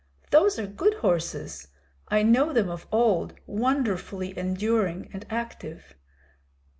"Those are good horses; I know them of old, wonderfully enduring and active."